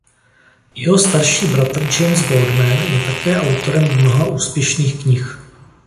Jeho starší bratr James Goldman je také autorem mnoha úspěšných knih.